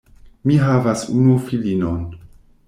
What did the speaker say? Mi havas unu filinon.